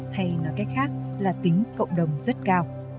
hay nói cách khác là tính cộng đồng rất cao